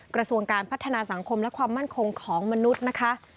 กระทรวงการพัฒนาสังคมและความมั่นคงของมนุษย์นะคะ